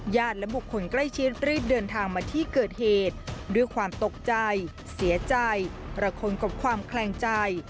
และบุคคลใกล้ชิดรีบเดินทางมาที่เกิดเหตุด้วยความตกใจเสียใจประคมกับความแคลงใจ